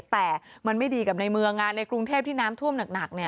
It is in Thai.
แต่มันไม่ดีกับในเมืองในกรุงเทพที่น้ำท่วมหนัก